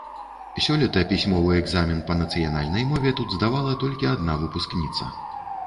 Сёлета пісьмовы экзамен па нацыянальнай мове тут здавала толькі адна выпускніца.